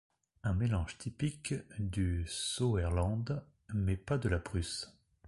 Un mélange typique du Sauerland, mais pas de la Prusse.